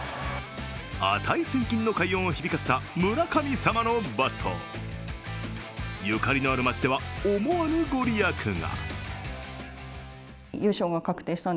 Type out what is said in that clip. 値千金の快音を響かせた村神様のバットゆかりのある町では思わぬご利益が。